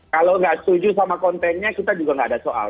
kalau nggak setuju sama kontennya kita juga nggak ada soal